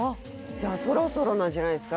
じゃあそろそろなんじゃないですか？